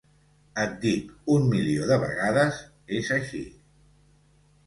Et dic, un milió de vegades, és així.